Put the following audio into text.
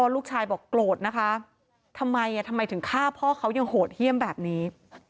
ลูกชายบอกโกรธนะคะทำไงถึงฆ่าเพาใช่ยังโหดเหี้ยมแบบนี้